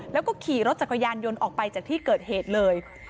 แล้วก็ขี่รถจักรยานยนต์ออกไปจากที่เกิดเหตุเลย